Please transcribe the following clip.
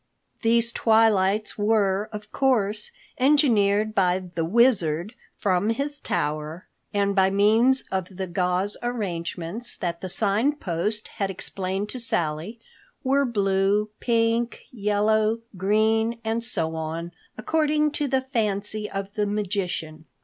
These twilights were, of course, engineered by the Wizard from his tower, and by means of the gauze arrangements that the Sign Post had explained to Sally, were blue, pink, yellow, green, and so on, according to the fancy of the magician.